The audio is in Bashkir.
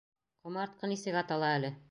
Ҡомартҡы нисек атала әле?